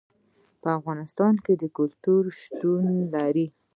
په افغانستان کې کلتور شتون لري.